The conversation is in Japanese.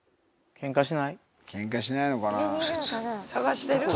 ケンカしないのかな？